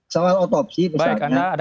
soal otopsi misalnya